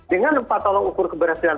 dengan empat tolong ukur keberhasilan